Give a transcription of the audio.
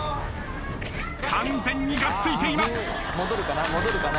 完全にがっついています。